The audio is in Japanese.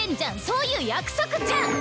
そういう約束じゃん！